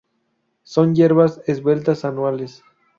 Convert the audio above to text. Son hierbas esbeltas anuales.